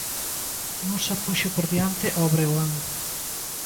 Musa puxo por diante ao Breogán.